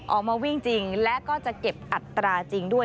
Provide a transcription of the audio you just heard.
ออกมาวิ่งจริงและก็จะเก็บอัตราจริงด้วย